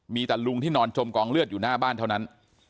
มีแต่ลุงที่นอนจมกองเลือดอยู่หน้าบ้านเท่านั้น